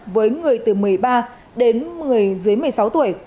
với người từ một mươi ba đến một mươi sáu tuổi